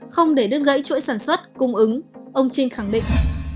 không để đứt gãy chuỗi sản xuất cung ứng ông trinh khẳng định